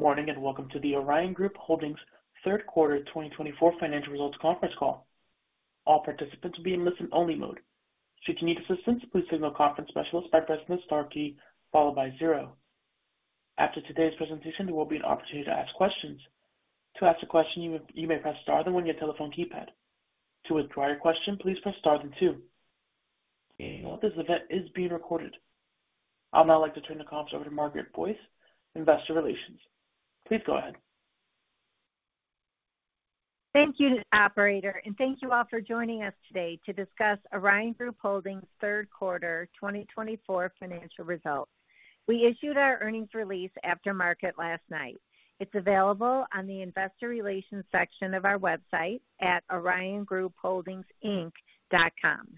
Good morning and welcome to the Orion Group Holdings' third quarter 2024 financial results conference call. All participants will be in listen-only mode. Should you need assistance, please signal conference specialist by pressing the star key, followed by zero. After today's presentation, there will be an opportunity to ask questions. To ask a question, you may press star then one of your telephone keypad. To withdraw your question, please press star then two. Please note, this event is being recorded. I'll now like to turn the conference over to Margaret Boyce, Investor Relations. Please go ahead. Thank you, Operator, and thank you all for joining us today to discuss Orion Group Holdings' third quarter 2024 financial results. We issued our earnings release after market last night. It's available on the Investor Relations section of our website at oriongroupholdingsinc.com.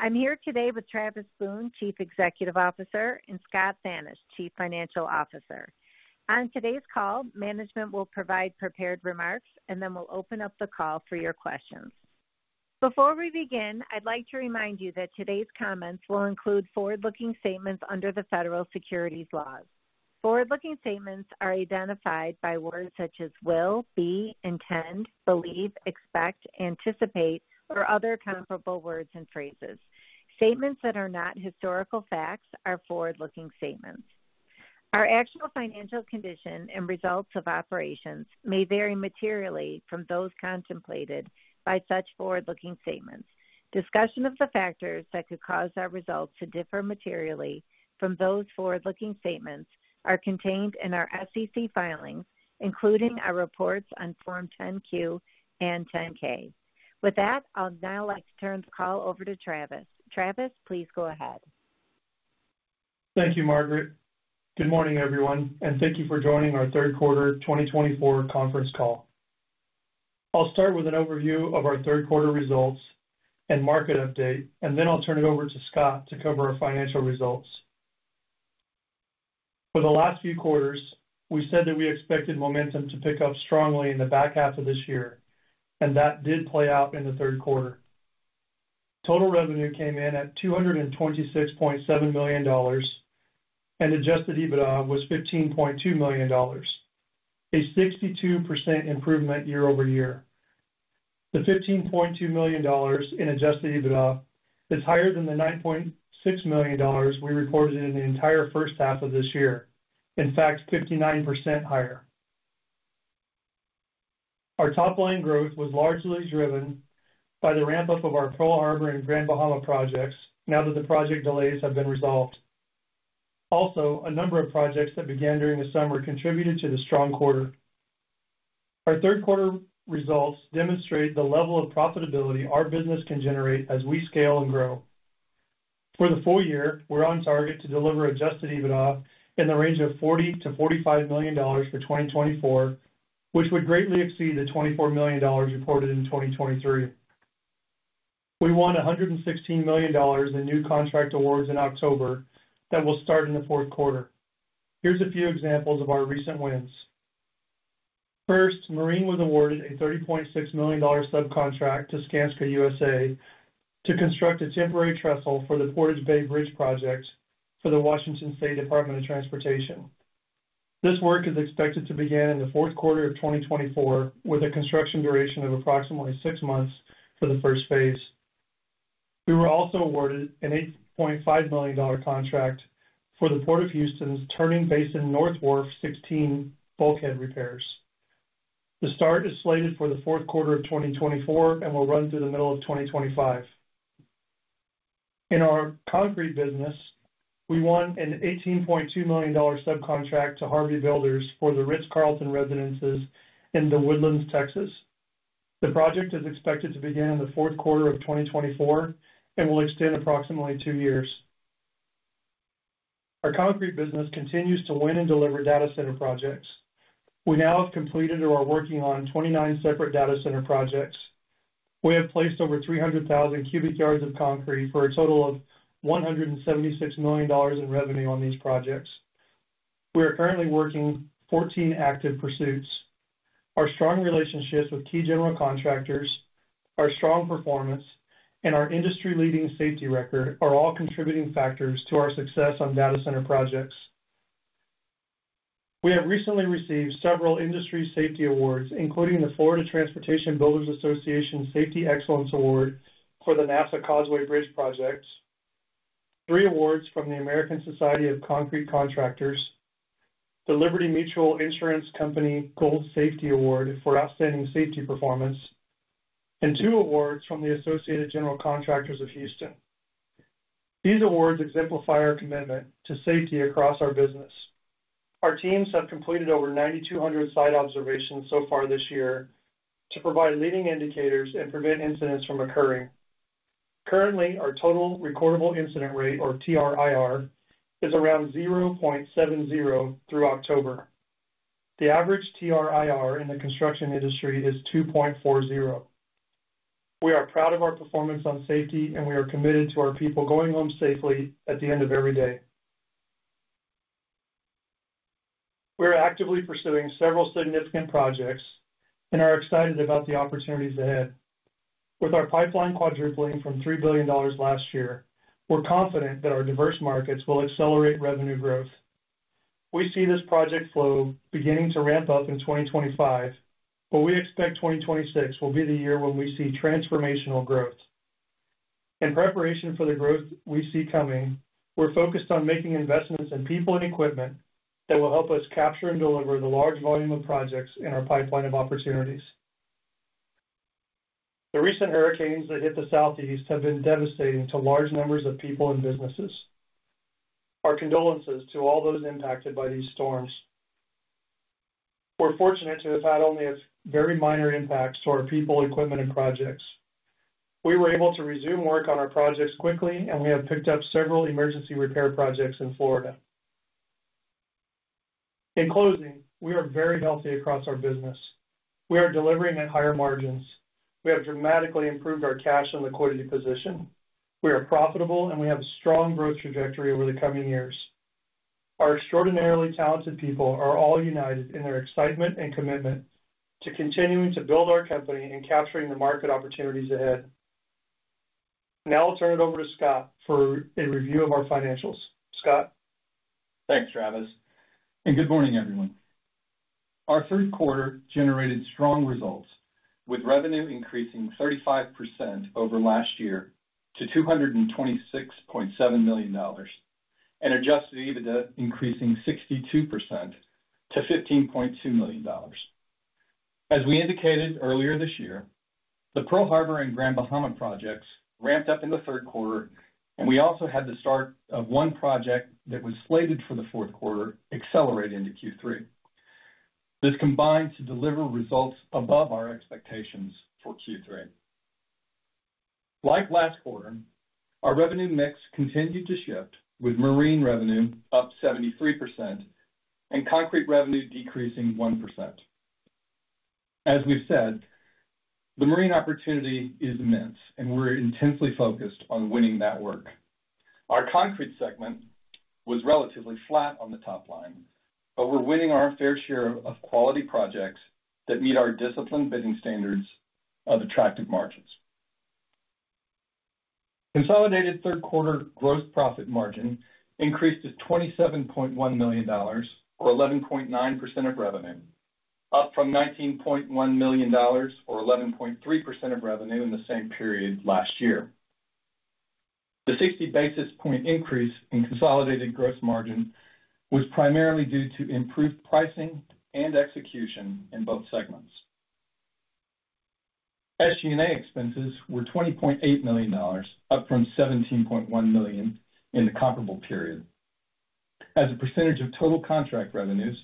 I'm here today with Travis Boone, Chief Executive Officer, and Scott Thanisch, Chief Financial Officer. On today's call, management will provide prepared remarks, and then we'll open up the call for your questions. Before we begin, I'd like to remind you that today's comments will include forward-looking statements under the federal securities laws. Forward-looking statements are identified by words such as will, be, intend, believe, expect, anticipate, or other comparable words and phrases. Statements that are not historical facts are forward-looking statements. Our actual financial condition and results of operations may vary materially from those contemplated by such forward-looking statements. Discussion of the factors that could cause our results to differ materially from those forward-looking statements are contained in our SEC filings, including our reports on Form 10-Q and 10-K. With that, I'll now like to turn the call over to Travis. Travis, please go ahead. Thank you, Margaret. Good morning, everyone, and thank you for joining our third quarter 2024 conference call. I'll start with an overview of our third quarter results and market update, and then I'll turn it over to Scott to cover our financial results. For the last few quarters, we said that we expected momentum to pick up strongly in the back half of this year, and that did play out in the third quarter. Total revenue came in at $226.7 million, and adjusted EBITDA was $15.2 million, a 62% improvement year-over-year. The $15.2 million in adjusted EBITDA is higher than the $9.6 million we reported in the entire first half of this year, in fact, 59% higher. Our top-line growth was largely driven by the ramp-up of our Pearl Harbor and Grand Bahama projects now that the project delays have been resolved. Also, a number of projects that began during the summer contributed to the strong quarter. Our third quarter results demonstrate the level of profitability our business can generate as we scale and grow. For the full year, we're on target to deliver adjusted EBITDA in the range of $40 million-$45 million for 2024, which would greatly exceed the $24 million reported in 2023. We won $116 million in new contract awards in October that will start in the fourth quarter. Here's a few examples of our recent wins. First, Marine was awarded a $30.6 million subcontract to Skanska USA to construct a temporary trestle for the Portage Bay Bridge project for the Washington State Department of Transportation. This work is expected to begin in the fourth quarter of 2024, with a construction duration of approximately six months for the first phase. We were also awarded an $8.5 million contract for the Port of Houston's Turning Basin North Wharf 16 bulkhead repairs. The start is slated for the fourth quarter of 2024 and will run through the middle of 2025. In our concrete business, we won an $18.2 million subcontract to Harvey Builders for the Ritz-Carlton Residences in The Woodlands, Texas. The project is expected to begin in the fourth quarter of 2024 and will extend approximately two years. Our Concrete business continues to win and deliver data center projects. We now have completed or are working on 29 separate data center projects. We have placed over 300,000 cubic yards of concrete for a total of $176 million in revenue on these projects. We are currently working 14 active pursuits. Our strong relationships with key general contractors, our strong performance, and our industry-leading safety record are all contributing factors to our success on data center projects. We have recently received several industry safety awards, including the Florida Transportation Builders' Association Safety Excellence Award for the NASA Causeway Bridge projects, three awards from the American Society of Concrete Contractors, the Liberty Mutual Insurance Company Gold Safety Award for outstanding safety performance, and two awards from the Associated General Contractors of Houston. These awards exemplify our commitment to safety across our business. Our teams have completed over 9,200 site observations so far this year to provide leading indicators and prevent incidents from occurring. Currently, our total recordable incident rate, or TRIR, is around 0.70 through October. The average TRIR in the construction industry is 2.40. We are proud of our performance on safety, and we are committed to our people going home safely at the end of every day. We are actively pursuing several significant projects and are excited about the opportunities ahead. With our pipeline quadrupling from $3 billion last year, we're confident that our diverse markets will accelerate revenue growth. We see this project flow beginning to ramp up in 2025, but we expect 2026 will be the year when we see transformational growth. In preparation for the growth we see coming, we're focused on making investments in people and equipment that will help us capture and deliver the large volume of projects in our pipeline of opportunities. The recent hurricanes that hit the Southeast have been devastating to large numbers of people and businesses. Our condolences to all those impacted by these storms. We're fortunate to have had only very minor impacts to our people, equipment, and projects. We were able to resume work on our projects quickly, and we have picked up several emergency repair projects in Florida. In closing, we are very healthy across our business. We are delivering at higher margins. We have dramatically improved our cash and liquidity position. We are profitable, and we have a strong growth trajectory over the coming years. Our extraordinarily talented people are all united in their excitement and commitment to continuing to build our company and capturing the market opportunities ahead. Now I'll turn it over to Scott for a review of our financials. Scott. Thanks, Travis, and good morning, everyone. Our third quarter generated strong results, with revenue increasing 35% over last year to $226.7 million and adjusted EBITDA increasing 62% to $15.2 million. As we indicated earlier this year, the Pearl Harbor and Grand Bahama projects ramped up in the third quarter, and we also had the start of one project that was slated for the fourth quarter accelerate into Q3. This combined to deliver results above our expectations for Q3. Like last quarter, our revenue mix continued to shift, with Marine revenue up 73% and concrete revenue decreasing 1%. As we've said, the Marine opportunity is immense, and we're intensely focused on winning that work. Our concrete segment was relatively flat on the top line, but we're winning our fair share of quality projects that meet our discipline bidding standards of attractive margins. Consolidated third quarter gross profit margin increased to $27.1 million, or 11.9% of revenue, up from $19.1 million, or 11.3% of revenue in the same period last year. The 60 basis point increase in consolidated gross margin was primarily due to improved pricing and execution in both segments. SG&A expenses were $20.8 million, up from $17.1 million in the comparable period. As a percentage of total contract revenues,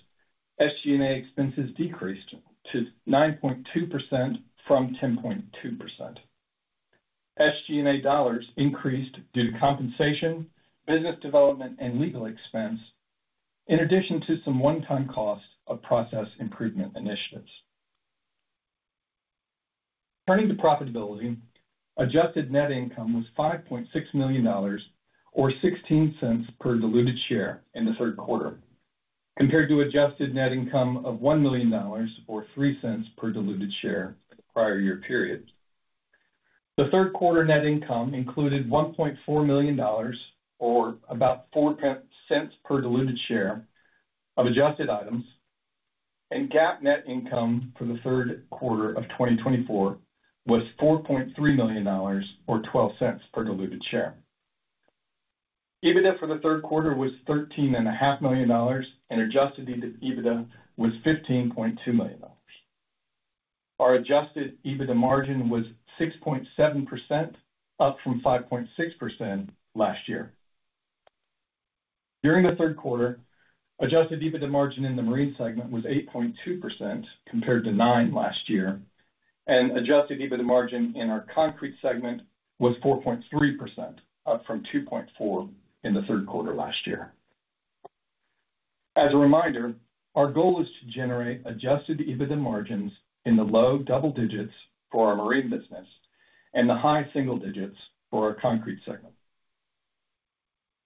SG&A expenses decreased to 9.2% from 10.2%. SG&A dollars increased due to compensation, business development, and legal expense, in addition to some one-time costs of process improvement initiatives. Turning to profitability, adjusted net income was $5.6 million, or $0.16 per diluted share in the third quarter, compared to adjusted net income of $1 million, or $0.03 per diluted share in the prior year period. The third quarter net income included $1.4 million, or about $0.04 per diluted share of adjusted items, and GAAP net income for the third quarter of 2024 was $4.3 million, or $0.12 per diluted share. EBITDA for the third quarter was $13.5 million, and adjusted EBITDA was $15.2 million. Our adjusted EBITDA margin was 6.7%, up from 5.6% last year. During the third quarter, adjusted EBITDA margin in the Marine segment was 8.2% compared to 9% last year, and adjusted EBITDA margin in our concrete segment was 4.3%, up from 2.4% in the third quarter last year. As a reminder, our goal is to generate adjusted EBITDA margins in the low double digits for our Marine business and the high single digits for our concrete segment.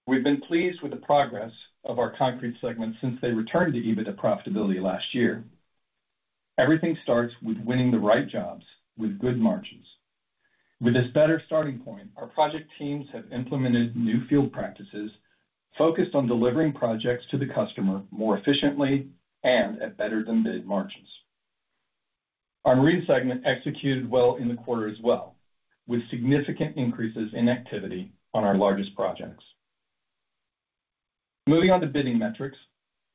We've been pleased with the progress of our concrete segment since they returned to EBITDA profitability last year. Everything starts with winning the right jobs with good margins. With this better starting point, our project teams have implemented new field practices focused on delivering projects to the customer more efficiently and at better than bid margins. Our Marine segment executed well in the quarter as well, with significant increases in activity on our largest projects. Moving on to bidding metrics.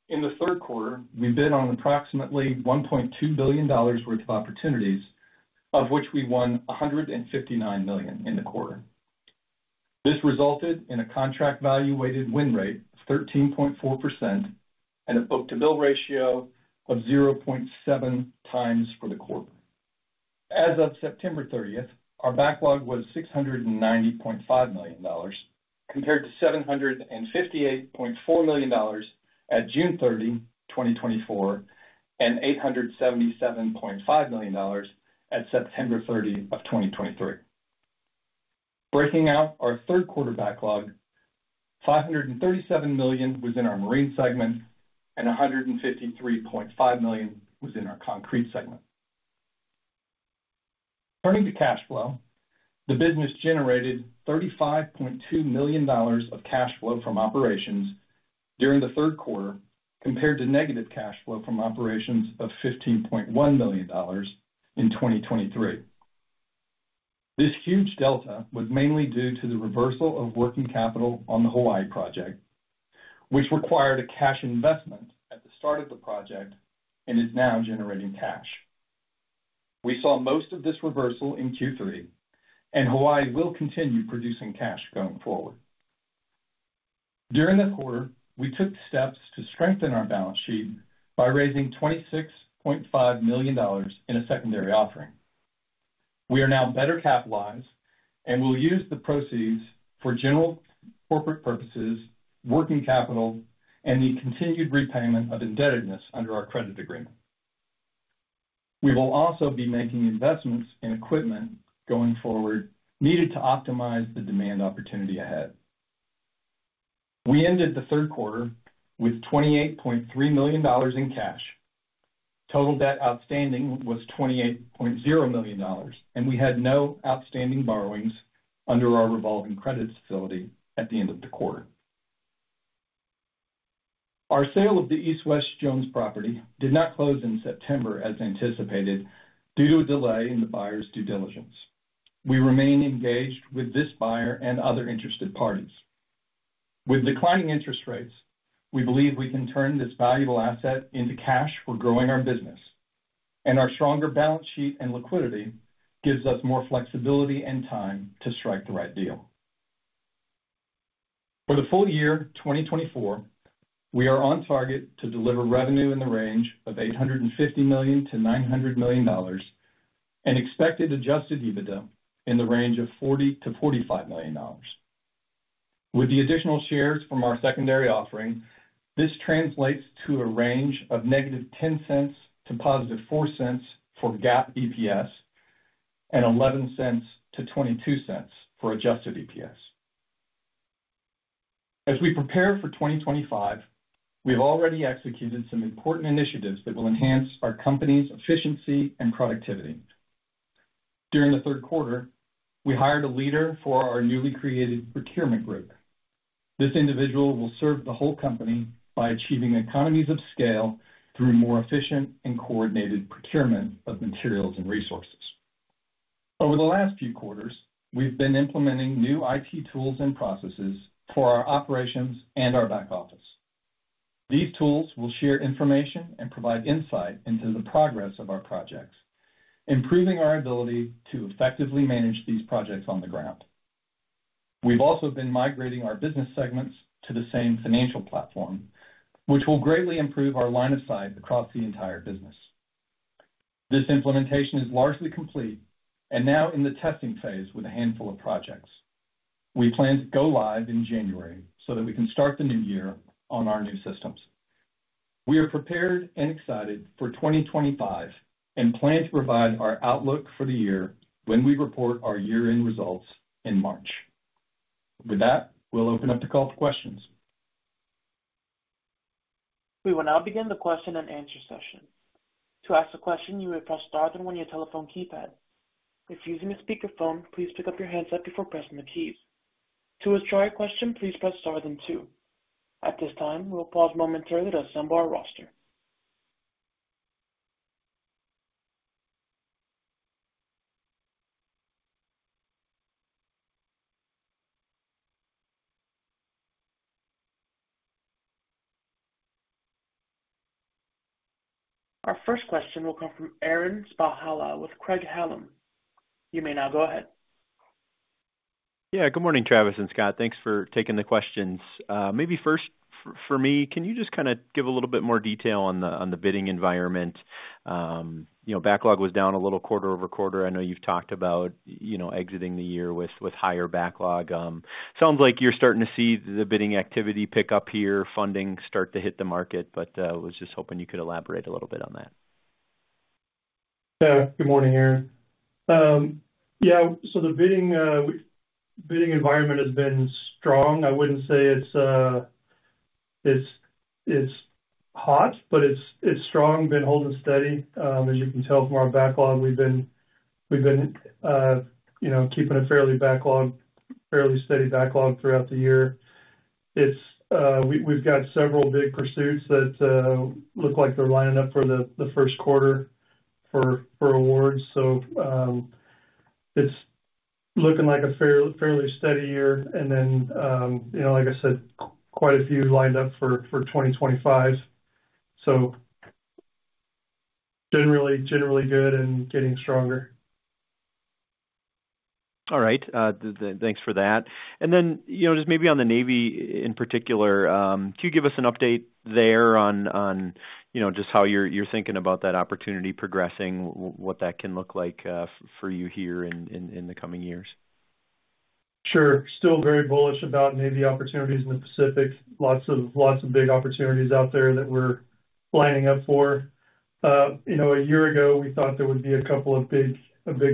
In the third quarter, we bid on approximately $1.2 billion worth of opportunities, of which we won $159 million in the quarter. This resulted in a contract-value weighted win rate of 13.4% and a book-to-bill ratio of 0.7 times for the quarter. As of September 30th, our backlog was $690.5 million compared to $758.4 million at June 30, 2024, and $877.5 million at September 30 of 2023. Breaking out our third quarter backlog, $537 million was in our Marine segment, and $153.5 million was in our concrete segment. Turning to cash flow, the business generated $35.2 million of cash flow from operations during the third quarter compared to negative cash flow from operations of $15.1 million in 2023. This huge delta was mainly due to the reversal of working capital on the Hawaii project, which required a cash investment at the start of the project and is now generating cash. We saw most of this reversal in Q3, and Hawaii will continue producing cash going forward. During that quarter, we took steps to strengthen our balance sheet by raising $26.5 million in a secondary offering. We are now better capitalized and will use the proceeds for general corporate purposes, working capital, and the continued repayment of indebtedness under our credit agreement. We will also be making investments in equipment going forward needed to optimize the demand opportunity ahead. We ended the third quarter with $28.3 million in cash. Total debt outstanding was $28.0 million, and we had no outstanding borrowings under our revolving credit facility at the end of the quarter. Our sale of the East West Jones property did not close in September as anticipated due to a delay in the buyer's due diligence. We remain engaged with this buyer and other interested parties. With declining interest rates, we believe we can turn this valuable asset into cash for growing our business, and our stronger balance sheet and liquidity gives us more flexibility and time to strike the right deal. For the full year 2024, we are on target to deliver revenue in the range of $850 million-$900 million and expected adjusted EBITDA in the range of $40 million-$45 million. With the additional shares from our secondary offering, this translates to a range of -$0.10 to +$0.04 for GAAP EPS and $0.11-$0.22 for adjusted EPS. As we prepare for 2025, we have already executed some important initiatives that will enhance our company's efficiency and productivity. During the third quarter, we hired a leader for our newly created procurement group. This individual will serve the whole company by achieving economies of scale through more efficient and coordinated procurement of materials and resources. Over the last few quarters, we've been implementing new IT tools and processes for our operations and our back office. These tools will share information and provide insight into the progress of our projects, improving our ability to effectively manage these projects on the ground. We've also been migrating our business segments to the same financial platform, which will greatly improve our line of sight across the entire business. This implementation is largely complete and now in the testing phase with a handful of projects. We plan to go live in January so that we can start the new year on our new systems. We are prepared and excited for 2025 and plan to provide our outlook for the year when we report our year-end results in March. With that, we'll open up the call for questions. We will now begin the question and answer session. To ask a question, you may press star then one on your telephone keypad. If using a speakerphone, please pick up your handset before pressing the keys. To withdraw your question, please press star then two. At this time, we'll pause momentarily to assemble our roster. Our first question will come from Aaron Spira with Craig-Hallum. You may now go ahead. Yeah, good morning, Travis and Scott. Thanks for taking the questions. Maybe first for me, can you just kind of give a little bit more detail on the bidding environment? Backlog was down a little quarter over quarter. I know you've talked about exiting the year with higher backlog. Sounds like you're starting to see the bidding activity pick up here, funding start to hit the market, but was just hoping you could elaborate a little bit on that. Yeah, good morning, Aaron. Yeah, so the bidding environment has been strong. I wouldn't say it's hot, but it's strong, been holding steady. As you can tell from our backlog, we've been keeping a fairly steady backlog throughout the year. We've got several big pursuits that look like they're lining up for the first quarter for awards. So it's looking like a fairly steady year and then, like I said, quite a few lined up for 2025. So generally good and getting stronger. All right. Thanks for that. And then just maybe on the Navy in particular, can you give us an update there on just how you're thinking about that opportunity progressing, what that can look like for you here in the coming years? Sure. Still very bullish about Navy opportunities in the Pacific. Lots of big opportunities out there that we're lining up for. A year ago, we thought there would be a couple of big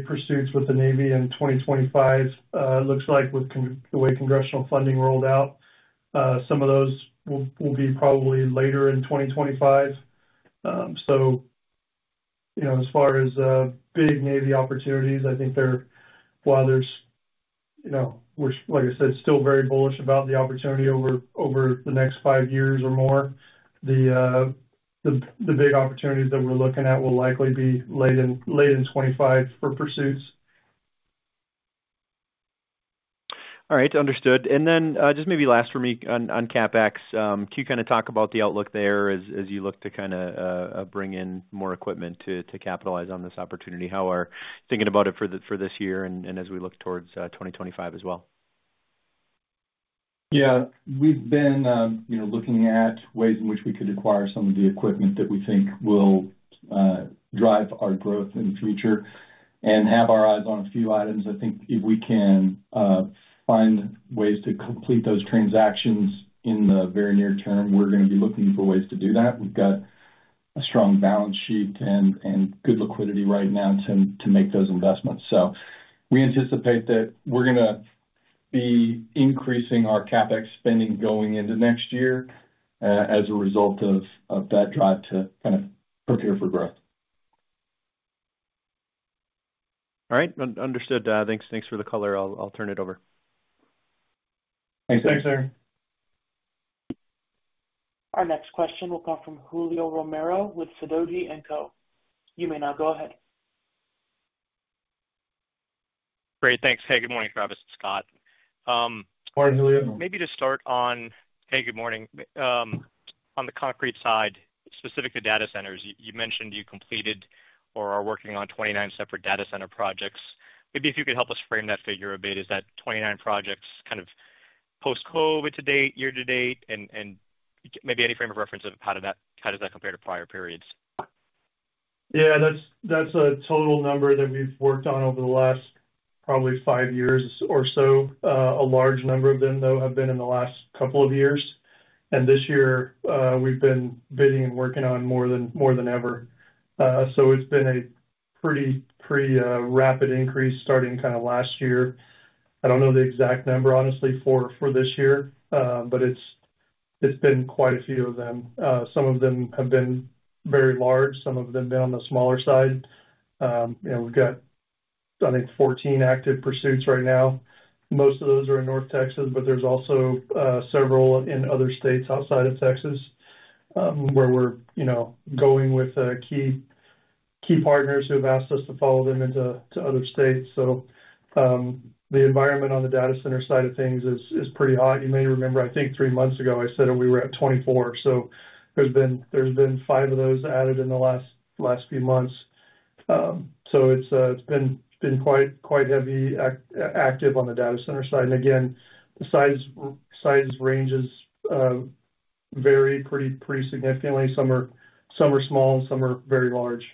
pursuits with the Navy in 2025. It looks like with the way congressional funding rolled out, some of those will be probably later in 2025. So as far as big Navy opportunities, I think while there's, like I said, still very bullish about the opportunity over the next five years or more, the big opportunities that we're looking at will likely be late in 2025 for pursuits. All right. Understood, and then just maybe last for me on CapEx, can you kind of talk about the outlook there as you look to kind of bring in more equipment to capitalize on this opportunity? How are you thinking about it for this year and as we look towards 2025 as well? Yeah, we've been looking at ways in which we could acquire some of the equipment that we think will drive our growth in the future and have our eyes on a few items. I think if we can find ways to complete those transactions in the very near term, we're going to be looking for ways to do that. We've got a strong balance sheet and good liquidity right now to make those investments. So we anticipate that we're going to be increasing our CapEx spending going into next year as a result of that drive to kind of prepare for growth. All right. Understood. Thanks for the color. I'll turn it over. Thanks, Aaron. Our next question will come from Julio Romero with Sidoti & Co. You may now go ahead. Great. Thanks. Hey, good morning, Travis and Scott. Morning, Julio. Maybe to start on, hey, good morning. On the concrete side, specifically data centers, you mentioned you completed or are working on 29 separate data center projects. Maybe if you could help us frame that figure a bit. Is that 29 projects kind of post-COVID to date, year to date? And maybe any frame of reference of how does that compare to prior periods? Yeah, that's a total number that we've worked on over the last probably five years or so. A large number of them, though, have been in the last couple of years. And this year, we've been bidding and working on more than ever. So it's been a pretty rapid increase starting kind of last year. I don't know the exact number, honestly, for this year, but it's been quite a few of them. Some of them have been very large. Some of them have been on the smaller side. We've got, I think, 14 active pursuits right now. Most of those are in North Texas, but there's also several in other states outside of Texas where we're going with key partners who have asked us to follow them into other states. So the environment on the data center side of things is pretty hot. You may remember, I think, three months ago I said we were at 24. So there's been five of those added in the last few months. So it's been quite heavy active on the data center side. And again, the size ranges vary pretty significantly. Some are small and some are very large.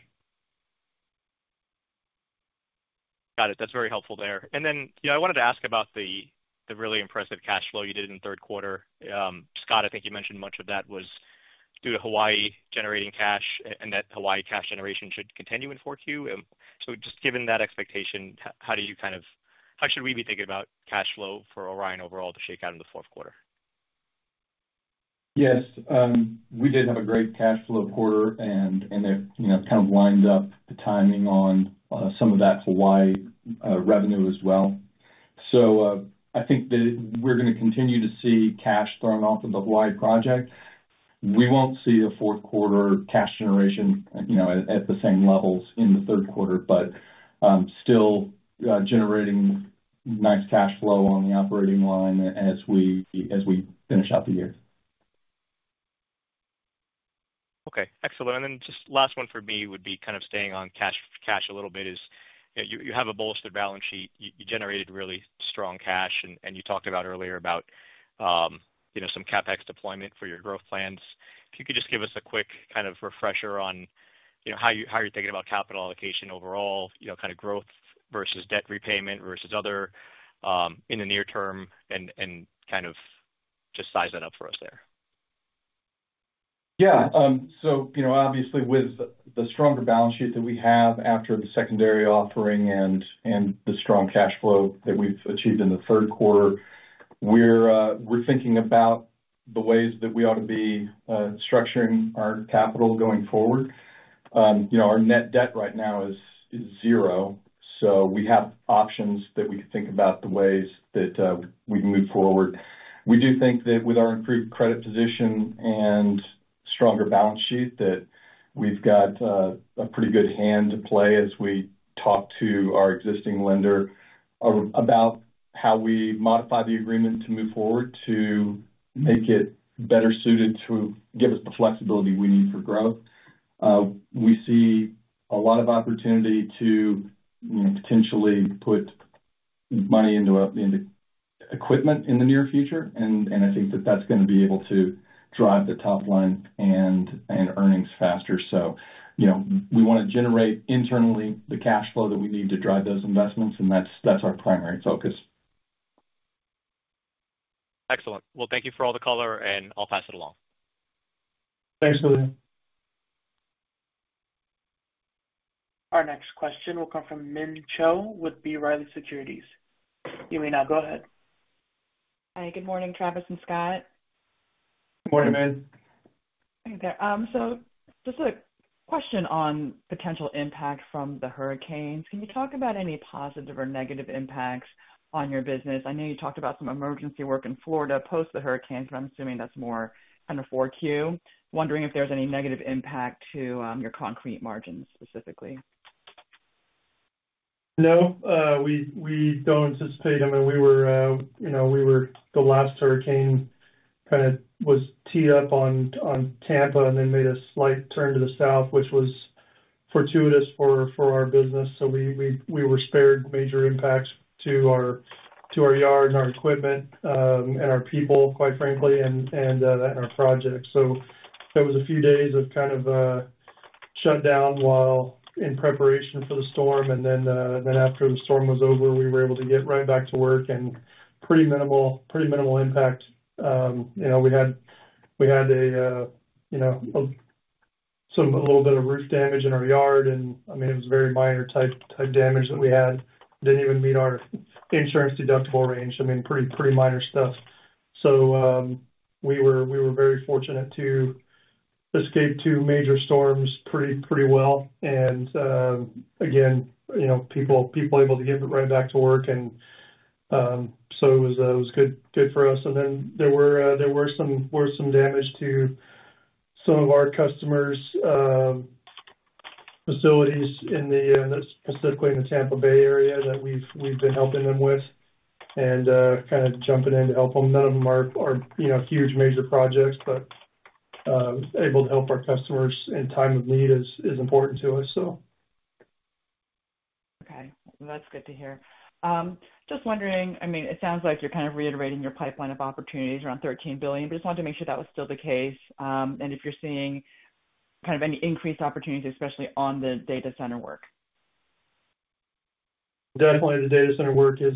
Got it. That's very helpful there. And then I wanted to ask about the really impressive cash flow you did in the third quarter. Scott, I think you mentioned much of that was due to Hawaii generating cash and that Hawaii cash generation should continue in 4Q. So just given that expectation, how should we be thinking about cash flow for Orion overall to shake out in the fourth quarter? Yes. We did have a great cash flow quarter, and it kind of lined up the timing on some of that Hawaii revenue as well. So I think that we're going to continue to see cash thrown off of the Hawaii project. We won't see a fourth quarter cash generation at the same levels in the third quarter, but still generating nice cash flow on the operating line as we finish out the year. Okay. Excellent. And then just last one for me would be kind of staying on cash a little bit, is you have a bolstered balance sheet. You generated really strong cash, and you talked about earlier about some CapEx deployment for your growth plans. If you could just give us a quick kind of refresher on how you're thinking about capital allocation overall, kind of growth versus debt repayment versus other in the near term, and kind of just size that up for us there. Yeah. So obviously, with the stronger balance sheet that we have after the secondary offering and the strong cash flow that we've achieved in the third quarter, we're thinking about the ways that we ought to be structuring our capital going forward. Our net debt right now is zero. So we have options that we could think about the ways that we move forward. We do think that with our improved credit position and stronger balance sheet, that we've got a pretty good hand to play as we talk to our existing lender about how we modify the agreement to move forward to make it better suited to give us the flexibility we need for growth. We see a lot of opportunity to potentially put money into equipment in the near future, and I think that that's going to be able to drive the top line and earnings faster. So we want to generate internally the cash flow that we need to drive those investments, and that's our primary focus. Excellent. Well, thank you for all the color, and I'll pass it along. Thanks, Julio. Our next question will come from Min Cho with B. Riley Securities. You may now go ahead. Hi. Good morning, Travis and Scott. Good morning, Min. Hey there. So just a question on potential impact from the hurricanes. Can you talk about any positive or negative impacts on your business? I know you talked about some emergency work in Florida post the hurricanes, but I'm assuming that's more kind of 4Q. Wondering if there's any negative impact to your concrete margins specifically? No. We don't anticipate. I mean, we were the last hurricane kind of was teed up on Tampa and then made a slight turn to the south, which was fortuitous for our business. So we were spared major impacts to our yard and our equipment and our people, quite frankly, and our projects. So there was a few days of kind of shutdown while in preparation for the storm. And then after the storm was over, we were able to get right back to work and pretty minimal impact. We had a little bit of roof damage in our yard, and I mean, it was very minor type damage that we had. Didn't even meet our insurance deductible range. I mean, pretty minor stuff. So we were very fortunate to escape two major storms pretty well. And again, people able to get right back to work. And so it was good for us. And then there were some damage to some of our customers' facilities specifically in the Tampa Bay area that we've been helping them with and kind of jumping in to help them. None of them are huge major projects, but able to help our customers in time of need is important to us, so. Okay. That's good to hear. Just wondering, I mean, it sounds like you're kind of reiterating your pipeline of opportunities around $13 billion, but just wanted to make sure that was still the case. And if you're seeing kind of any increased opportunities, especially on the data center work? Definitely. The data center work is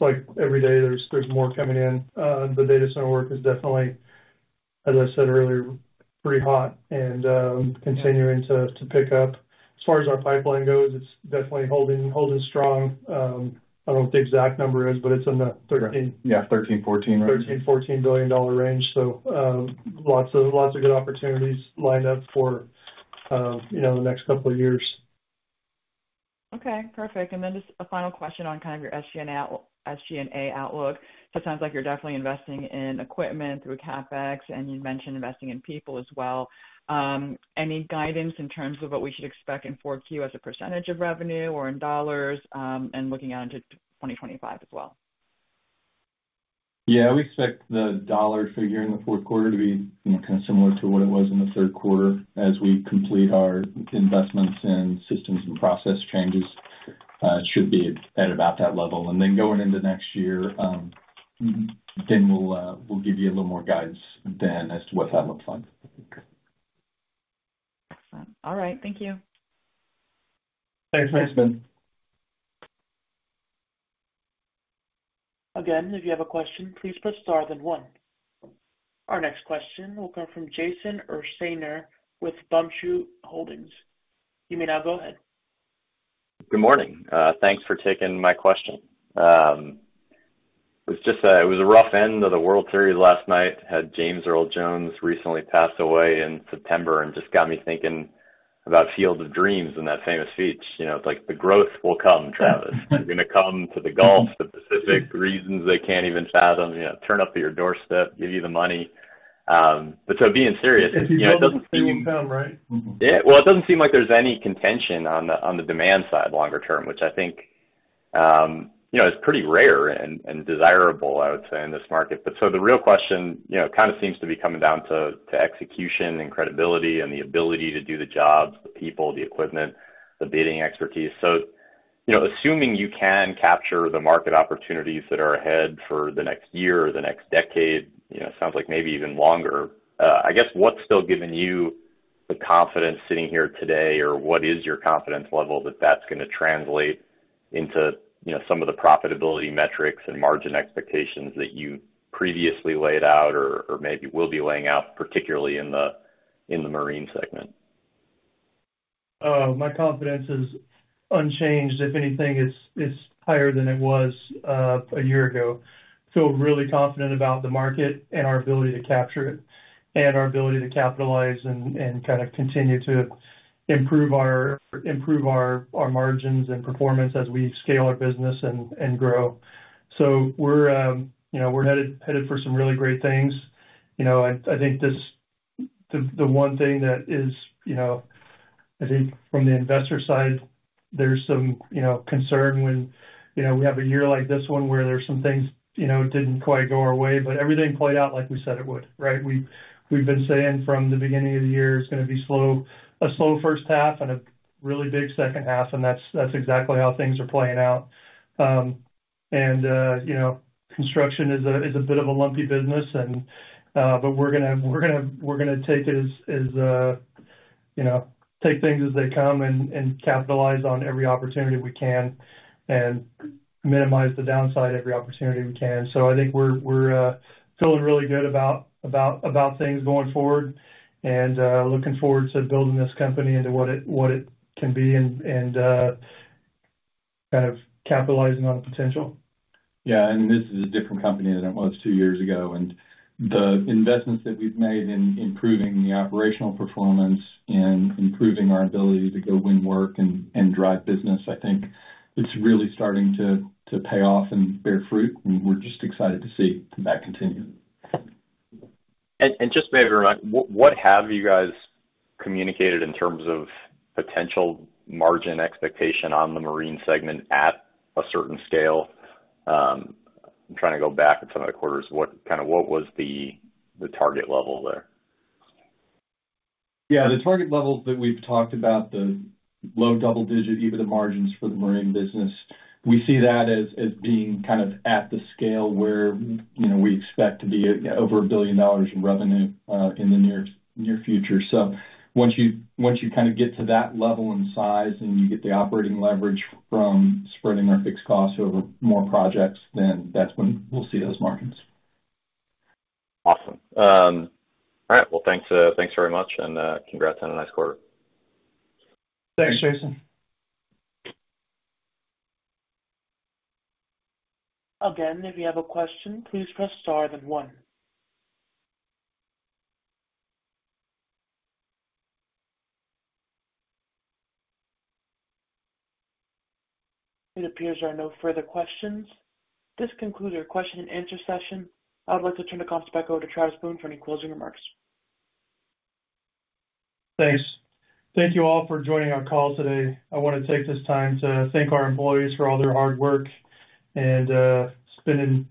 like every day, there's more coming in. The data center work is definitely, as I said earlier, pretty hot and continuing to pick up. As far as our pipeline goes, it's definitely holding strong. I don't know what the exact number is, but it's in the 13. Yeah, 13, 14, right? $13 billion-$14 billion dollar range. So lots of good opportunities lined up for the next couple of years. Okay. Perfect. And then just a final question on kind of your SG&A outlook. So it sounds like you're definitely investing in equipment through CapEx, and you mentioned investing in people as well. Any guidance in terms of what we should expect in 4Q as a percentage of revenue or in dollars and looking out into 2025 as well? Yeah. We expect the dollar figure in the fourth quarter to be kind of similar to what it was in the third quarter as we complete our investments and systems and process changes. It should be at about that level, and then going into next year, then we'll give you a little more guidance then as to what that looks like. Excellent. All right. Thank you. Thanks, Min. Again, if you have a question, please press star then one. Our next question will come from Jason Ursaner with Bumbershoot Holdings. You may now go ahead. Good morning. Thanks for taking my question. It was a rough end to the World Series last night. He had James Earl Jones recently passed away in September and just got me thinking about Field of Dreams and that famous speech. It's like the growth will come, Travis. They're going to come to the Gulf, the Pacific, reasons they can't even fathom, turn up at your doorstep, give you the money. But so being serious, it doesn't seem. It's soon to come, right? Yeah. Well, it doesn't seem like there's any contention on the demand side longer term, which I think is pretty rare and desirable, I would say, in this market. But so the real question kind of seems to be coming down to execution and credibility and the ability to do the jobs, the people, the equipment, the bidding expertise. So assuming you can capture the market opportunities that are ahead for the next year or the next decade, it sounds like maybe even longer, I guess, what's still giving you the confidence sitting here today, or what is your confidence level that that's going to translate into some of the profitability metrics and margin expectations that you previously laid out or maybe will be laying out, particularly in the marine segment? My confidence is unchanged. If anything, it's higher than it was a year ago. I feel really confident about the market and our ability to capture it and our ability to capitalize and kind of continue to improve our margins and performance as we scale our business and grow. So we're headed for some really great things. I think the one thing that is, I think, from the investor side, there's some concern when we have a year like this one where there's some things didn't quite go our way, but everything played out like we said it would, right? We've been saying from the beginning of the year it's going to be a slow first half and a really big second half, and that's exactly how things are playing out. Construction is a bit of a lumpy business, but we're going to take things as they come and capitalize on every opportunity we can and minimize the downside every opportunity we can. I think we're feeling really good about things going forward and looking forward to building this company into what it can be and kind of capitalizing on the potential. Yeah. This is a different company than it was two years ago. The investments that we've made in improving the operational performance and improving our ability to go win work and drive business, I think it's really starting to pay off and bear fruit. We're just excited to see that continue. Just maybe what have you guys communicated in terms of potential margin expectation on the marine segment at a certain scale? I'm trying to go back at some of the quarters. Kind of what was the target level there? Yeah. The target levels that we've talked about, the low double digit, even the margins for the marine business, we see that as being kind of at the scale where we expect to be over $1 billion in revenue in the near future. So once you kind of get to that level in size and you get the operating leverage from spreading our fixed costs over more projects, then that's when we'll see those margins. Awesome. All right. Well, thanks very much, and congrats on a nice quarter. Thanks, Jason. Again, if you have a question, please press star then one. It appears there are no further questions. This concludes our question and answer session. I would like to turn the conference back over to Travis Boone for any closing remarks. Thanks. Thank you all for joining our call today. I want to take this time to thank our employees for all their hard work and spending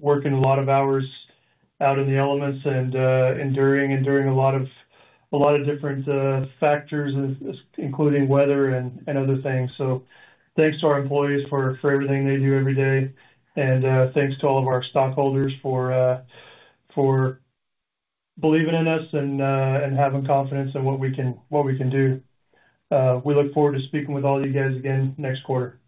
working a lot of hours out in the elements and enduring a lot of different factors, including weather and other things. So thanks to our employees for everything they do every day. And thanks to all of our stockholders for believing in us and having confidence in what we can do. We look forward to speaking with all you guys again next quarter.